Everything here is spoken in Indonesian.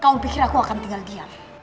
kau pikir aku akan tinggal diam